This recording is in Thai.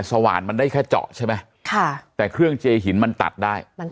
สว่านมันได้แค่เจาะใช่ไหมค่ะแต่เครื่องเจหินมันตัดได้มัน